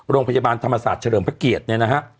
โรงพยาบาลธรรมศาสตร์เฉลิมพระเกียรติเนี่ยนะฮะ